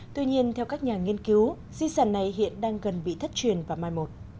tuy nhiên theo các nhà nghiên cứu di sản này hiện đang gần bị thất truyền và mai một